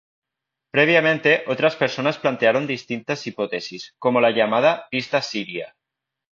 Previamente, otras personas plantearon distintas hipótesis, como la llamada "pista siria".